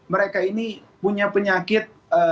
mereka ini punya penyakit